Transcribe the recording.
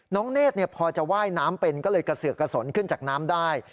เนธพอจะว่ายน้ำเป็นก็เลยกระเสือกกระสนขึ้นจากน้ำได้